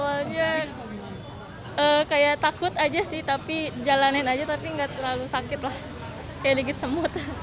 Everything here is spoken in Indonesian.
awalnya kayak takut aja sih tapi jalanin aja tapi nggak terlalu sakit lah kayak digit semut